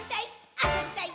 あそびたい！